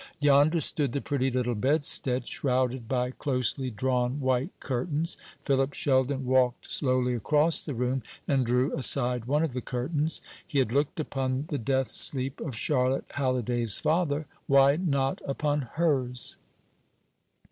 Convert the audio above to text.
Yonder stood the pretty little bedstead, shrouded by closely drawn white curtains. Philip Sheldon walked slowly across the room, and drew aside one of the curtains. He had looked upon the death sleep of Charlotte Halliday's father, why not upon hers?